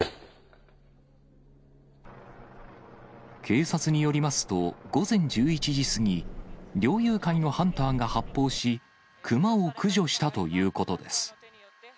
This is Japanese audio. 警察によりますと、午前１１時過ぎ、猟友会のハンターが発砲し、クマを駆除したということです。